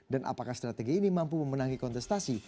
dan apakah strategi ini mampu memenangi kontestasi